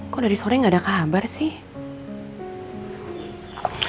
kok dari sore nggak ada kabar sih